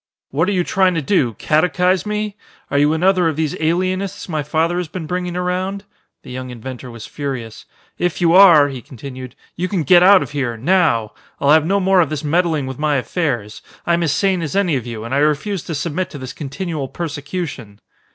"What are you trying to do, catechise me? Are you another of these alienists my father has been bringing around?" The young inventor was furious. "If you are," he continued, "you can get out of here now! I'll have no more of this meddling with my affairs. I'm as sane as any of you and I refuse to submit to this continual persecution."